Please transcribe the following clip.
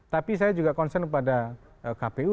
tapi saya juga concern kepada kpu